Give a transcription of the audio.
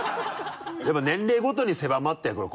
やっぱ年齢ごとに狭まってはくる。